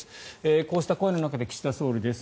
こうした声の中で岸田総理です。